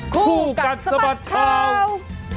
คู่กันสมัสข่าว